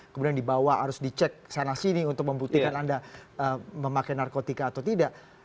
kemudian dibawa harus dicek sana sini untuk membuktikan anda memakai narkotika atau tidak